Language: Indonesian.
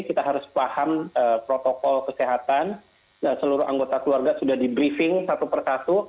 kita harus paham protokol kesehatan seluruh anggota keluarga sudah di briefing satu persatu